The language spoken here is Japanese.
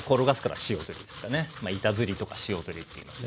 まあ板ずりとか塩ずりといいますね。